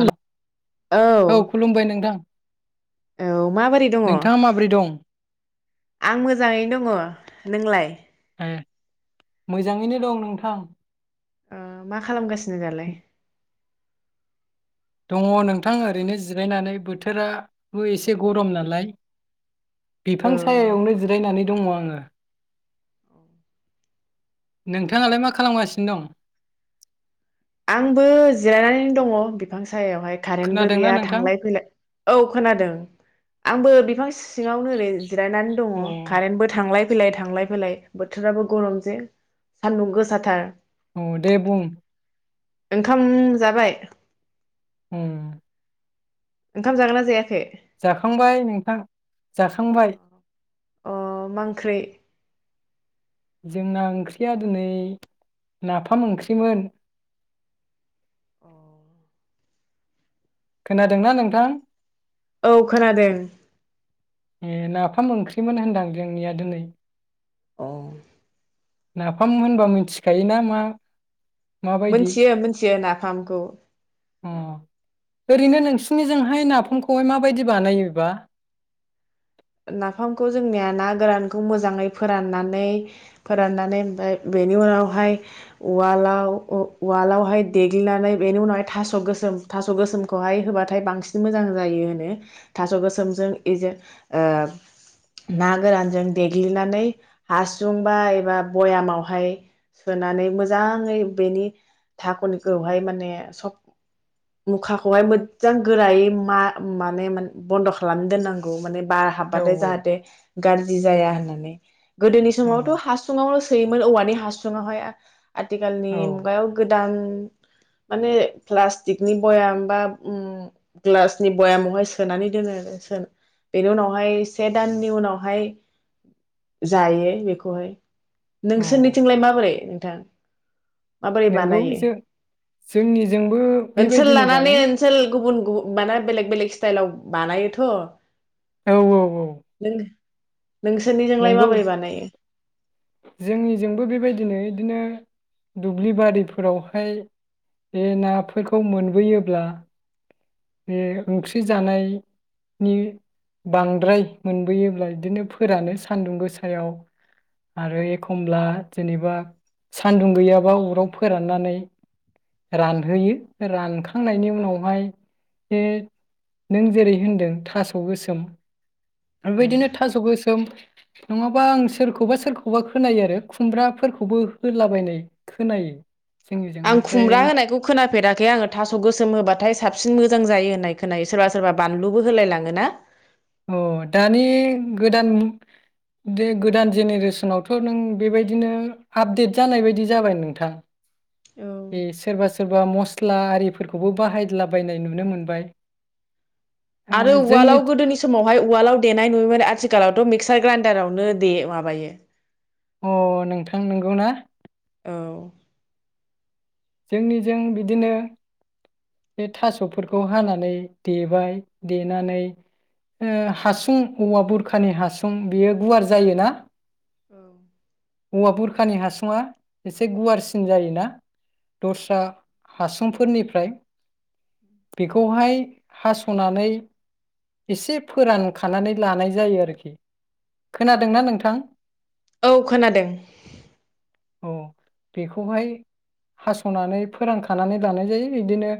हेल' औ खुलुमबाय नोंथां औ माबोरै दङ नोंथाङा माबोरै दं आं मोजाङैनो दङ नोंलाय ए मोजाङैनो दं नोंथां मा खालामगासि नो दालाय दङ नोंथां ओरैनो जिरायनानै बोथोराबो एसे गरम नालाय। औ बिफां सायायावनो जिरायनानै दङ आं [unintelligible] नोंथाङालाय मा खालामगासिनो दं। आंबो जिरायनानै दङ बिफां सायायावहाय कारेन्टबो खोनादोंना गैया नोंथां थांलाय फैलाय औ खोनादों आंबो बिफां सिङावनो ओरै जिरायनानै दङ अ कारेन्बो थांलाय फैलाय थांलाय फैलाय बोथोराबो गरम जे सान्दुं गोसाथार औ दे बुं ओंखाम जाबाय उम ओंखाम जागोन ना जायाखै जाखांबाय नोंथां जाखांबाय अ मा ओंख्रि जोंना ओंख्रिया दिनै नाफाम ओंख्रिमोन अ खोनादोंना नोंथां औ खोनादों नाफाम ओंख्रिमोन होनदां जोंनिया दिनै अ नाफाम होनबा मिथिखायो ना मा माबायदि मोनथियो मोनथियो नाफामखौ अ ओरैनो नोंसिनिजोंहाय नाफामखौहाय माबायदि बानायोबा नाफामखौ जोंनिया ना गोरानखौ मोजाङै फोराननानै फोराननानै ओमफफ्राय बेनि उनावहाय उवालाव उवालावहाय देग्लिनानै बेनि उनावहाय थास' गोसोम थास' गोसोमखौहाय होबाथाय बांसिन मोजां जायो होनो थास' गोसोमजों इजों ना गोरानजों देग्लिनानै हासुंबा एबा भयामावहाय सोनानै मोजाङै बेनि धाखनिखौहाय माने सब मुखाखौहाय मोजां गोरायै म माने बन्द' खालामनो दोननांगौ माने बार हाबा औ जाहाथे गाज्रि जाया होननानै गोदोनि औ समावथ' हासुुंआवल' सोयोमोन औवानि हासुंआवहाय आथिखालनि औ मुगायाव गोदान माने प्लास्टिकनि बयाम बा उ ग्लासनि बयामावहाय सोनानै दोनो आरो [unintelligible] बेनि उनावहाय से दाननि उनावहाय जायो बेखौहाय। औ नोंसोरनिथिंलाय माबोरै नोंथां? माबोरै नंगौ बानायो जों जोंनिजोंबो ओनसोल बेबायदिनो लानानै बानाय ओनसोल गुबुन गुबुन माना बेलेग बेलेग स्टाइलाव बानायोथ'। औ औ नों औ। नोंसोरनिजोंलाय नंगौ माबोरै बानायो? जोंनिजोंबो बेबायदिनो बिदिनो दुब्लि बारिफोरावहाय बे नाफोरखौ मोनबोयोब्ला बे ओंख्रि जानायनि बांद्राय मोनबोयोब्ला बिदिनो फोरानो सान्दुं गोसायाव आरो एखमब्ला जेनेबा सानदुं गैयाबा अराव फोराननानै रानहोयो रानखांनायनि उनावहाय बे नों जेरै होनदों थास' गोसोम उम बेबायदिनो थास गोसोम नङाबा आं सोरखौबा सोरखौबा खोनायो आरो खुमब्राफोरखौबो होलाबायनाय खोनायो। जोंनिजों आं ओमफ्राय खुमब्रा होनायखौ खोनाफेराखै आङो थास गोसोम होबाथाय साबसिन मोजां जायो होननाय खोनायो सोरबा सोरबा बानलुबो होलायलाङोना। अ दानि गोदान बे गोदान जेनेरेसनावथ' नों बेबायदिनो आपडेट जानाय बायदि जाबाय नोंथां। ए सोरबा सो सोरबा मस्ला आरिफोरखौबो बाहायलाबायनाय नुनो मोनबाय। आ आरो जोंनि उवालआव गोदोनि समाव बेवहाय उवालाव देनाय नुयोमोन आथिखालावथ मिक्सार ग्राइनडारावनो दे माबायो। अ नोंथां नंगौ ना? औ। जोंनिजों बिदिनो बे थासफोरखौ हानानै देबाय देनानै हासुं औवा बुरखानि हासुं बेयो गुवार जायोना औ। औवा बुरखानि हासुआ एसे गुवारसिन जायोना दस्रा हासुंफोरनिफ्राय बेखौहाय हासनानै एसे फोरानखानानै लानाय जायो आरोखि खोनादोंना नोंथां? औ खोनादों। औ बेखौहाय हासनानै फोरानखानानै लानाय जायो बिदिनो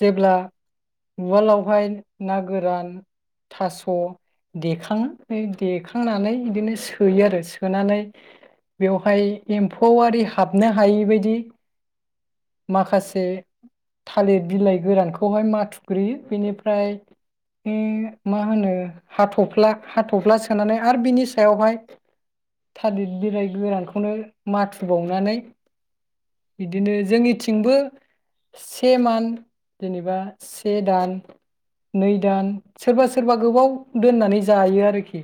जेब्ला उवालावहाय ना गोरान थास देखाङो देखांनानै बिदिनो सोयो आरो सोनानै बेवहाय एम्फौ आरि हाबनो हायिबायदि माखासे थालिर बिलाइ गोरानखौहाय माथुग्रोयो बेनिफ्राय मा होनो हाथफ्ला हाथफ्ला सोनानै आरो बिनि सायावहाय थालिर बिलाइ गोरानखौनो माथुबावनानै बिदिनो जोंनिथिंबो से मान जेनेबा से दान नै दान सोरबा सोरबा गोबाव दोननानै जायो आरोखि।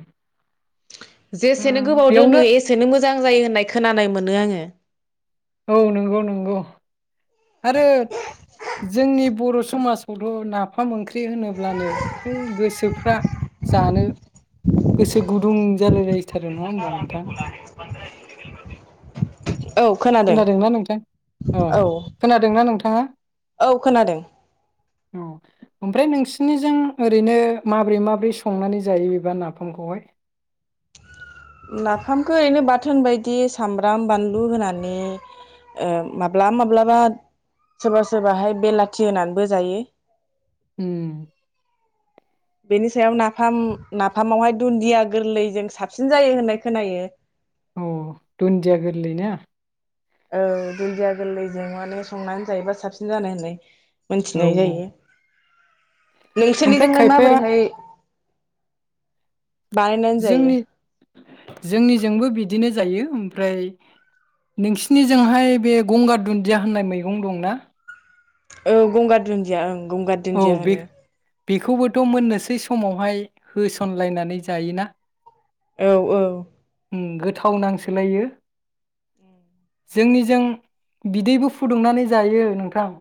ओ जेसेनो गोबाव बेयावनो दोनो एसेनो मोजां जायो होननाय खोनानाय मोनो आङो। औ नंगौ नंगौ। आरो जोंनि बर' समाजावथ नाफाम ओंख्रि होनोब्लानो ब गोसोफ्रा जानो गोसो गुदुं जालायलायथारो नङा होमबा नोंथां। औ खोनादों खोनादोंना नोंथां अ औ खोनादोंना नोंथाङा औ खोनादों। औ ओमफ्राय नोंसिनिजों ओरैनो माबोरै माबोरै संनानै जायो बेबा नाफामखौहाय? नाफामखौ ओरैनो बाथोन बायदि सामब्राम बानलु होनानै ओ माब्लाब-माब्लाबा सोरबा सोरबाहाय बेलाथि होनानैबो जायो। होम बेनि सायाव नाफाम नाफामावहाय दुन्दिया गोरलै जों साबसिन जायो होननाय खोनायो। अ दुन्दिया गोरलै ना? औ दुन्दिया गोरलैजों माने संनानै जायोबा साबसिन जानाय होननाय। औ मोनथिनाय औ जायो। ओमफ्राय नोंसोरनिजोंलाय खायफाया माबोरैहाय बानायनानै जायो जोंनि जोंनिजोंबो बिदिनो जायो ओमफ्राय नोंसिनिजोंहाय बे गंगार दुन्दिया होननाय मैगं दंना? औ गंगार दुन्दिया ओं गंगार औ दुन्दिया बे होनो बेखौबोथ' मोननोसै समावहाय होसनलायनानै जायोना? औ औ ओं गोथाव नांसोलायो जोंनिजों बिदैबो फुदुंनानै जायो नोंथां।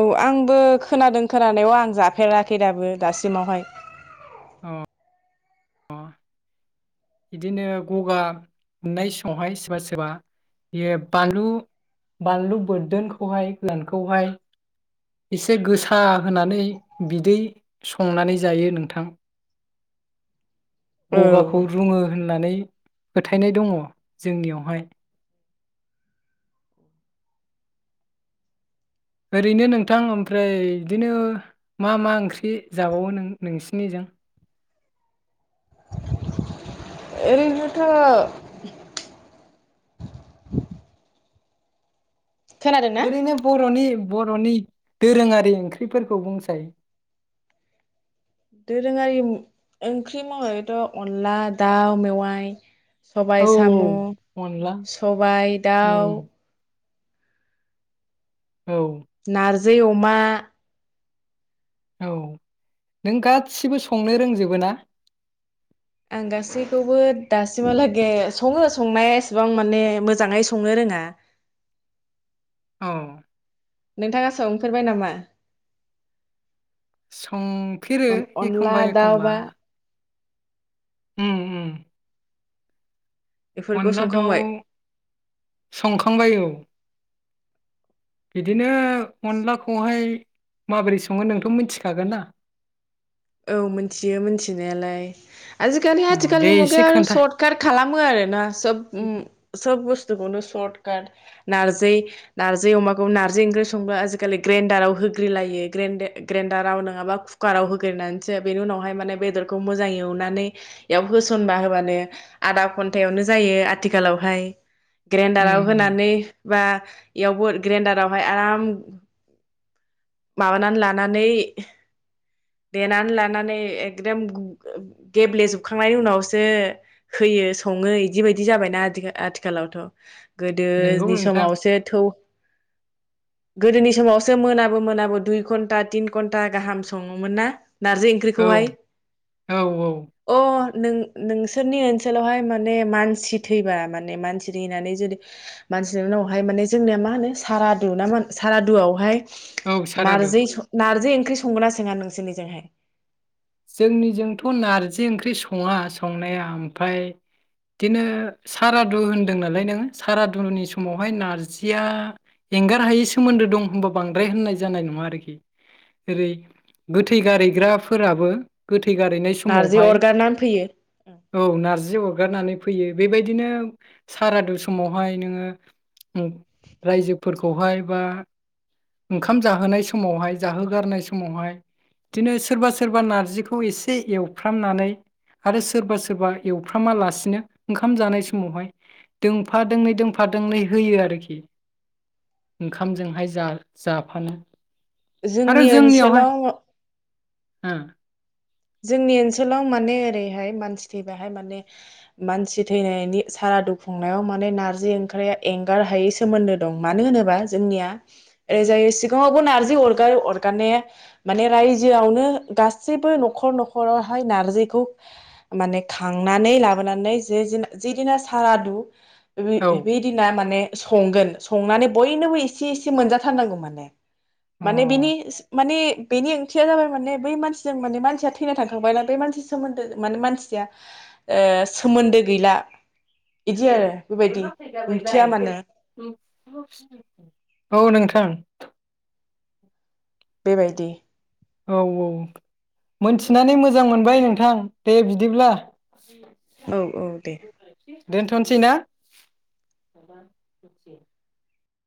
औ आंबो खोनादों खोनानायाव आं जाफेराखै दाबो दासिमावहाय। अ अ बिदिनो गगा मोननाय समावहाय सोरबा सोरबा बे बानलु-बानलु बोरदोनखौहाय गोनानखौहाय एसे गोसा होनानै बिदै संनानै जायो नोंथां। औ गगाखौ रुङो होननानै फोथायनाय दङ जोंनियावहाय ओरैनो नोंथां ओमफ्राय बिदिनो मा मा ओंख्रि जाबावो नों नोंसिनिजों बेनोथ' खोनादों ना एरैनो बर'नि बर'नि दोरोङारि ओंख्रिफोरखौ बुंसाय दोरोङारि ओंख्रि मावनायथ' अनला दाउ मेवाइ औ सबाय साम' औ अनला सबाय दाउ उम औ जै अमा औ नों गासिबो संनो रोंजोबो ना? आं गासैखौबो दासिमावलागे सङो संनाया एसेबां माने मोजाङै संनो रोङा। औ नोंथाङा संफेरबाय नामा? संफेरो अनला दाउ एखमबा-एखमबा बा उम उम बेफोरखौ अनला दाउ संखांबाय संखांबाय औ बिदिनो अनलाखौहाय माबोरै सङो नोंथ' मिथिखागोन ना औ मिथियो मिथिनायालाय। आजिखालि अ दे आथिखालनि एसे मुगायाव आरो खोन्था सर्ट काट खालामो आरो ना सब उम सब बुस स्थुखौनो सट् काट नारजि नारजि अमाखौ नारजि अमाखौ ओंख्रि संबा आजिखालि ग्रेनडाराव होग्रलायो ग्रेनडाराव नङाबा कुकाराव होगनानैसो बेनि उनावहाय माने बेदरखौ मोजां एवनानै बेयाव होसनबा होबानो आदा घन्टायावनो जायो आथिखालावहाय उम ग्रेन्डाराव उम होनानै बा इयावबो ग्रेन्डारावहाय आराम। माबानानै लानानै देनानै लानानै एकदम गेब्लेजोबखांनायनि उनावसो होयो सङो बिदि बायदि जाबायना आथिखालावथ। नंगौ गोदोनि नोंथां समावसो थौ। गोदोनि समावसो मोनाब मोनाबो दुइ घन्टा थिन घन्टा गाहाम सङोमोन ना। नारजि औ ओंख्रिखौहाय औ अ। नों नोंसोरनि ओनसोलावहाय माने मानसि थैबा माने मानसि थैनानै जुदि मानसिनि उनावहाय माने जोंनिया मा होनो सारादु ना मा सारादुआवहाय। औ सारादु नारजि नारजि ओंख्रि संगोनासो। सोंङा नोंसोरनिजोंहाय। जोंनिजोंथ' नारजि ओंख्रि सङा संनाया ओमफ्राय बिदिनो सारादु होन्दों नालाय नोङो सारादुनि समावहाय नार्जिया एंगार हायै सोमोन्दो दं होनबा बांद्राय होननाय जानाय नङा आरोखि ओरै गोथै गारायग्राफोराबो। गोथै। फैगारह हैनाय नारजि समावहाय अरगारनानै फैयो औ नारजि हरगारनानै। फै बेबायदिनो सारादु समावहाय नोङो रायजो फोरखौहाय बा ओंखाम जाहोनाय समावहाय जाहोगारनाय समावहाय बिदिनो सोरबा सोर। सोरबा नारजिखौ एसे एवफ्रामनानै आरो सोरबा सोरबा एवफ्रामालासिनो ओंखाम जानाय समावहाय दोंफा दोंनै दोंफा दोंनै होयो आरोखि ओंखामजोंहाय जा जाफानो। जोंनि ओनसोलाव। उम। जोंनि ओनसोलाव माने ओरैहाय मानसि थैबाहाय माने मानसि थैनायनि सारा दुखुंनायाव माने नार्जि ओंख्रिया एंगार हायै सोमोन्दो दं मानो होनोबा जोंनिया ओरैजायो सिगाङावबो नार्जि अरग अरगारनाया माने रायजोआवनो गासैबो नखर। न'खर न'खरावहाय नारजिखौ माने खांनानै लाबोनानै ज जेदिना सारादु। बे ओ बेदिना माने। संगोन संनानै बयनोबो एसे एसे मोनजाथारनांगौ माने। औ माने बिनि माने। बेनि ओंथिया जाबाय माने बै मानसिजों माने मानसि। या थैना थांखांबायला बे मानसि सोमोन्दो माने मानसिया सोमोन्दो गैला। इदि ए आरो बेबायदि नहा ओंथिया फैगाबाय माने ब औ नोंथां। थां। बेबायदि। औ औ मोनथिनानै मोजां मोनबाय नोंथां दे बिदिब्ला। औ औ दे। दोनथ'नोसै ना।